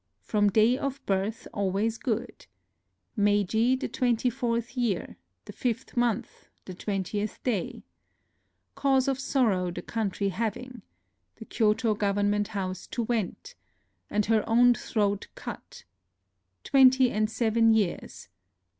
.. from day of hirtTi ahoays good, ... Meiji, the twentyfourth year, the fifth month, the twen tieth day ... cause of sorrow the country having ... the Kyoto government house to went ... and her own throat cut ... twenty and seven years